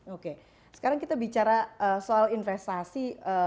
oke sekarang kita bicara soal investasi